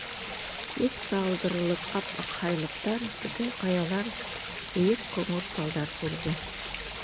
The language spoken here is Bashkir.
Күҙ сағылдырырлыҡ ап-аҡ һайлыҡтар, текә ҡаялар, бейек ҡоңғорт тауҙар күрҙе.